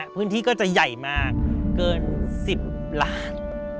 พื้นที่ก็จะใหญ่มากเกิน๑๐ล้าน